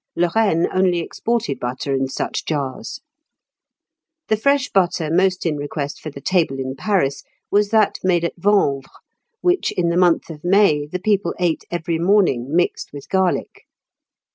Lorraine only exported butter in such jars. The fresh butter most in request for the table in Paris, was that made at Vanvres, which in the month of May the people ate every morning mixed with garlic.